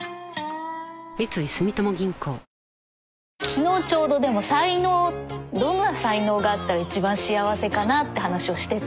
昨日ちょうどでも才能どんな才能があったら一番幸せかなって話をしてて。